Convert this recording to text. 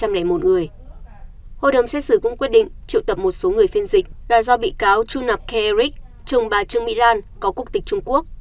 hội đồng xét xử cũng quyết định triệu tập một số người phiên dịch là do bị cáo chu nạp khe erich trùng bà trương mỹ lan có quốc tịch trung quốc